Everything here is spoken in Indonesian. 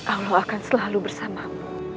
allah akan selalu bersamamu